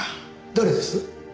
誰です？